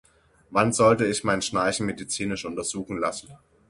Wann sollte ich mein Schnarchen medizinisch untersuchen lassen?